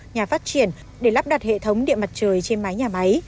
nhà phát triển để lắp đặt hệ thống điện mặt trời trên mái nhà máy